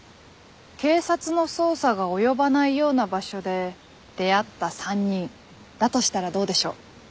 警察の捜査が及ばないような場所で出会った３人だとしたらどうでしょう？